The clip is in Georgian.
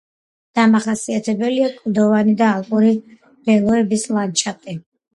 დამახასიათებელია კლდოვანი და ალპური მდელოების ლანდშაფტი.